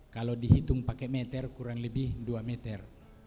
kalau dihitung pakai meter kurang lebih dua meter